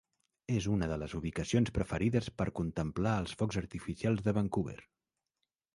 És una de les ubicacions preferides per contemplar els focs artificials de Vancouver.